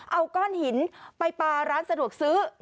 เอาก้อนหินไปปลาร้านสะดวกซื้อ